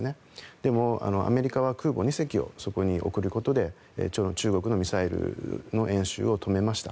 でも、アメリカは空母２隻をそこに送ることで中国のミサイルの演習を止めました。